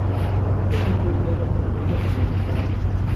Es un pez de aguas profundas y demersal.